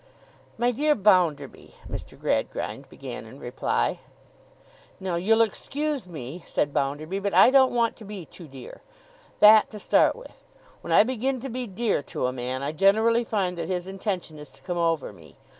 'My dear Bounderby,' Mr. Gradgrind began in reply. 'Now, you'll excuse me,' said Bounderby, 'but I don't want to be too dear. That, to start with. When I begin to be dear to a man, I generally find that his intention is to come over me.